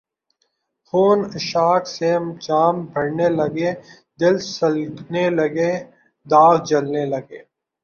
خون عشاق سے جام بھرنے لگے دل سلگنے لگے داغ جلنے لگے